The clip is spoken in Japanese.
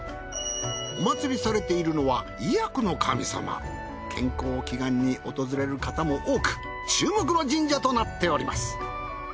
お祀りされているのは健康祈願に訪れる方も多く注目の神社となっております。